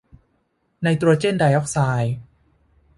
ไนโตรเจนไดออกไซด์